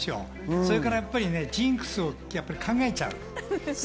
それからジンクスを考えちゃう。